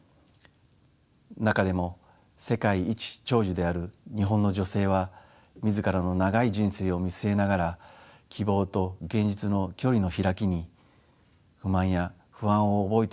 中でも世界一長寿である日本の女性は自らの長い人生を見据えながら希望と現実の距離の開きに不満や不安を覚えているのかもしれません。